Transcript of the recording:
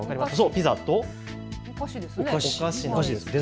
ピザとお菓子なんです。